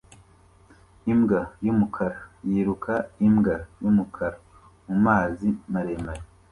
Imbwa yumukara yiruka imbwa yumukara mumazi maremare